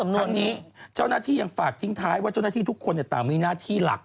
ทั้งนี้เจ้าหน้าที่ยังฝากทิ้งท้ายว่าเจ้าหน้าที่ทุกคนต่างมีหน้าที่หลัก